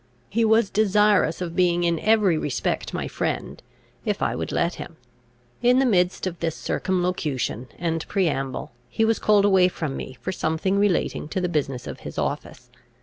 He was desirous of being in every respect my friend, if I would let him. In the midst of this circumlocution and preamble, he was called away from me, for something relating to the business of his office.